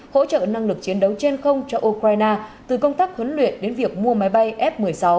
hỗ trợ năng lực chiến đấu trên không cho ukraine từ công tác huấn luyện đến việc mua máy bay f một mươi sáu